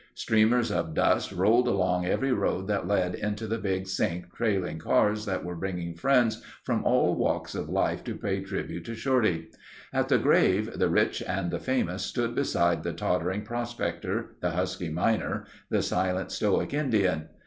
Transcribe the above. Streamers of dust rolled along every road that led into the Big Sink trailing cars that were bringing friends from all walks of life to pay tribute to Shorty. At the grave the rich and the famous stood beside the tottering prospector, the husky miner, the silent, stoic Indian.